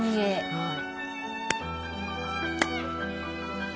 はい。